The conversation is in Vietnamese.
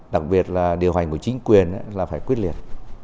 đặc biệt là điều hành của chính quyền là phải quyết liệt